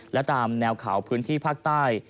และตามแนวเขาพื้นที่ภาคใต้